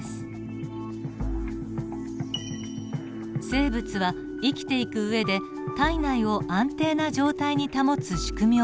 生物は生きていく上で体内を安定な状態に保つ仕組みを持っています。